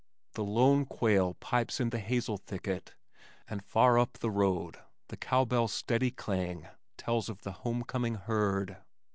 The lone quail pipes in the hazel thicket, and far up the road the cow bell's steady clang tells of the homecoming herd.